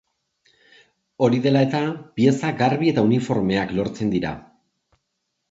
Hori dela eta, pieza garbi eta uniformeak lortzen dira.